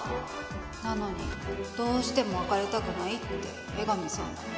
なのにどうしても別れたくないって江上さんが。